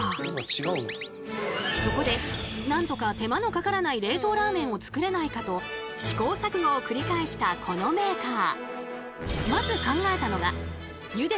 そこでなんとか手間のかからない冷凍ラーメンを作れないかと試行錯誤を繰り返したこのメーカー。